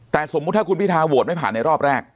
แต่สมมุติถ้าคุณพิทาโหวตไม่ผ่านในรอบแรก